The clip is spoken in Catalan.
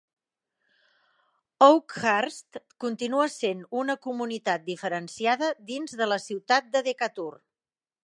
Oakhurst continua sent una comunitat diferenciada dins de la ciutat de Decatur.